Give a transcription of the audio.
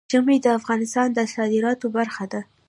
ژمی د افغانستان د صادراتو برخه ده.